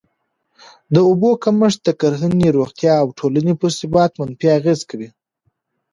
د اوبو کمښت د کرهڼې، روغتیا او ټولني پر ثبات منفي اغېز کوي.